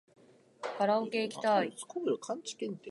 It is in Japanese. カラオケいきたい